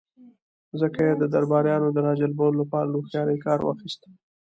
ځکه يې د درباريانو د را جلبولو له پاره له هوښياری کار واخيست.